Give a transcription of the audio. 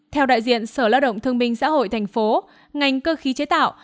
theo đại diện sở lao động thương minh xã hội tp ngành cơ khí chế tạo